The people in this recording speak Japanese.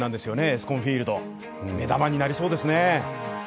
エスコンフィールド目玉になりそうですね。